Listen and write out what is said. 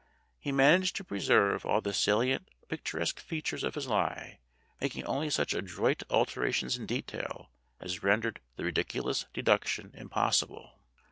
He managed to preserve all the salient, picturesque features of his lie, making only such adroit alterations in detail as rendered the ridiculous deduc tion impossible.